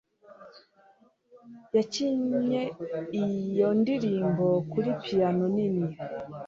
Yakinnye iyo ndirimbo kuri piyano nini